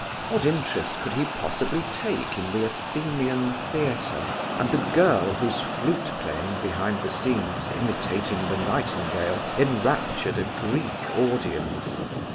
What interest could he possibly take in the Athenian Theatre and the girl whose flute playing behind the scenes, imitating the nightingale, enraptured a Greek audience!